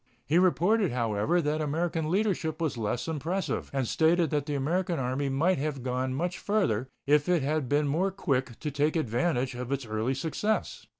He reported, however, that American leadership was less impressive, and stated that the American Army might have gone much farther if it had been more quick to take advantage of its early success.